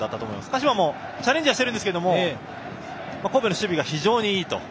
鹿島もチャレンジはしているんですけど神戸の守備が非常にいいと。